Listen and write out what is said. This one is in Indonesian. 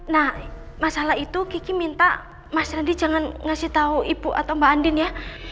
nah masalah itu kiki minta mas randy jangan ngasih tahu ibu atau mbak andin ya